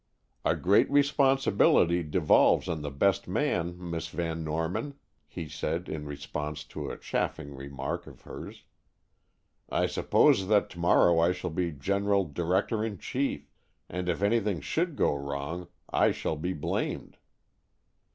"A great responsibility devolves on the best man, Miss Van Norman," he said, in response to a chaffing remark of hers. "I suppose that to morrow I shall be general director in chief, and if anything should go wrong, I shall be blamed."